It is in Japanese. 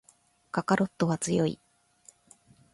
カカロットは強い